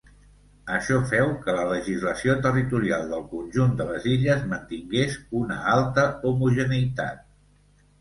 Això feu que la legislació territorial del conjunt de les illes mantingués una alta homogeneïtat.